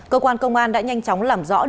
cơ quan công an đã nhanh chóng làm rõ đối tượng